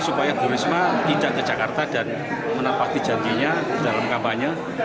supaya bu risma tidak ke jakarta dan menepati janjinya dalam kampanye